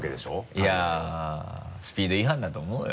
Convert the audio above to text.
いやぁスピード違反だと思うよ。